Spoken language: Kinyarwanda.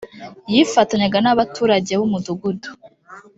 yifatanyaga n abaturage b umudugudu